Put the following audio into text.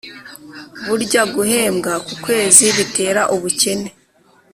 burya guhembwa ku kwezi bitera ubukene